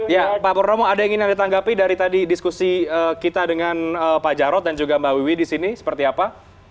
ya pak purnomo ada yang ingin ditanggapi dari tadi diskusi kita dengan pak jorod dan juga mbak wiwi disini seperti apa